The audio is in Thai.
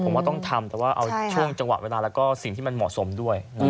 ผมว่าต้องทำแต่ว่าเอาช่วงจังหวะเวลาแล้วก็สิ่งที่มันเหมาะสมด้วย